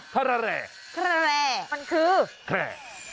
แพร่